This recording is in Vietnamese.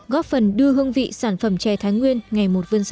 góp phần đưa hương vị sản phẩm chè thái nguyên ngày một vươn xa